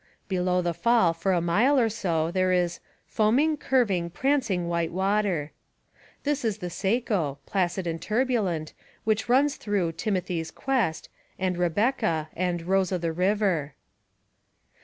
Below the fall for a mile or so there is "foaming, curving, prancing white water." It is the Saco, placid and turbulent, which runs through Timothy's Quest and Rebecca and Rose o } the River.